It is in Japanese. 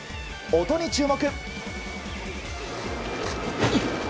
音に注目！